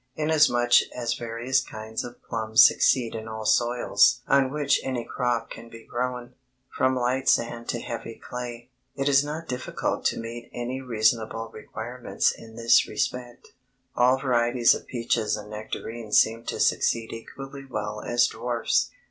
Inasmuch as various kinds of plums succeed in all soils on which any crop can be grown, from light sand to heavy clay, it is not difficult to meet any reasonable requirements in this respect. All varieties of peaches and nectarines seem to succeed equally well as dwarfs.